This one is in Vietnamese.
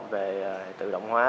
về tự động hóa